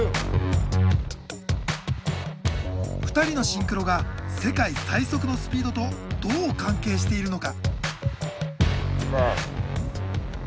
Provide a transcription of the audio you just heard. ２人のシンクロが世界最速のスピードとどう関係しているのか。